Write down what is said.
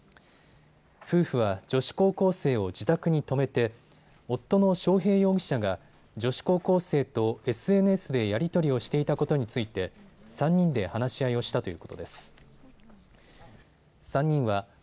夫婦は女子高校生を自宅に泊めて夫の章平容疑者が女子高校生とＳＮＳでやり取りをしていたことについて３人で話し合いをしたということです。